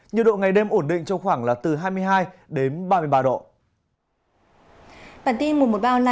nhiệt độ ngày đêm ổn định trong khoảng là từ hai mươi hai đến ba mươi ba độ